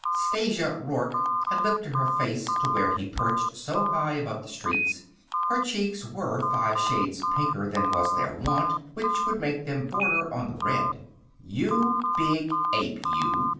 Stasia Rourke had lifted her face to where he perched so high above the streets. Her cheeks were five shades pinker than was their wont, which would make them border on the red. "You big ape, you!"